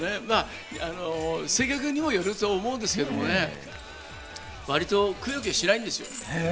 性格にもよると思うんですけれどもね、割とくよくよしないんですよ。